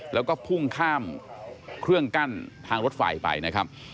แล้วก็พุ่งข้ามเครื่องกั้นทางรถไฟไปนะครับ